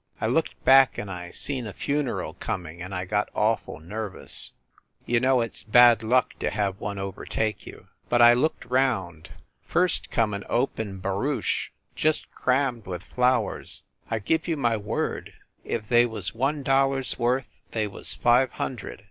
I looked back and I seen a funeral coming and I got awful nervous, You know it s bad luck THE CAXTON DINING ROOM 181 to have one overtake you. But I looked round. First come an open barouche, just crammed with flowers. I give you my word, if they was one dol lar s worth, they was five hundred.